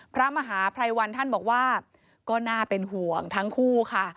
พระมหาภัยวันท่านบอกว่าก็น่าเป็นห่วงทั้งคู่ค่ะ